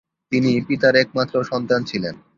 তিনি পিতার একমাত্র সন্তান ছিলেন।